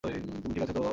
তুমি ঠিক আছো তো?